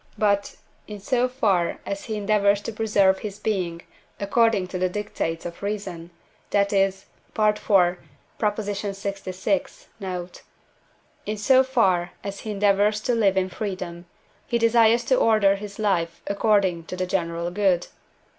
but, in so far as he endeavours to preserve his being according to the dictates of reason, that is (IV. lxvi. note), in so far as he endeavours to live in freedom, he desires to order his life according to the general good (IV.